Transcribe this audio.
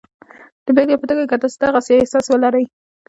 د بېلګې په توګه که تاسې د غسې احساس ولرئ